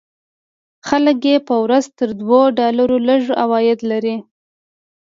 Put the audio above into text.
خلک یې په ورځ تر دوو ډالرو لږ عواید لري.